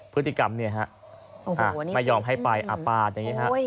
พฤติกรรมเนี่ยฮะไม่ยอมให้ไปอาปาดอย่างนี้ฮะ